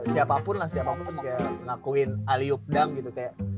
siapapun lah siapapun lakuin aliup dang gitu